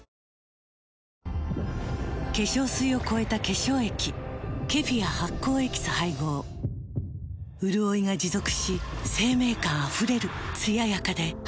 化粧水を超えた化粧液ケフィア発酵エキス配合うるおいが持続し生命感あふれるつややかで彩やかな